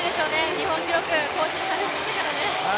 日本記録も更新されてますからね。